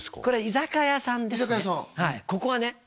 これ居酒屋さんですね